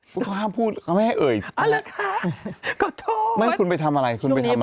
ก็ห้ามพูดไม่ให้เอ่ยอะไรฮะก็โทษไม่คุณไปทำอะไรคุณไปทำอะไร